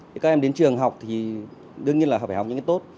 các em đến trường học thì đương nhiên là phải học những cái tốt